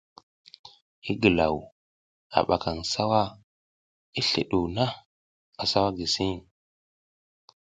I gilaw, a ɓakaƞ sawa i sliɗuw na, a sawa gisiƞ.